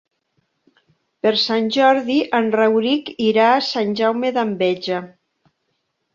Per Sant Jordi en Rauric irà a Sant Jaume d'Enveja.